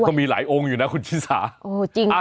ก็มีหลายองค์อยู่นะคุณชินสาโอ้จริงค่ะ